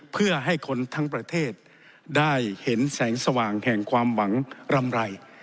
เพื่อให้คนทั้งประเทศได้เห็นแสงสว่างแห่งความหวังรำไร